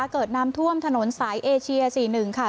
เกิดน้ำท่วมถนนสายเอเชีย๔๑ค่ะ